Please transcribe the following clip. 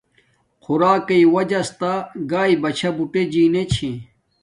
خوراک قݵ واجس تا گاݵے بچھا بوٹے جینے چھے